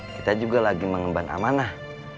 kita juga lagi mengemban amanah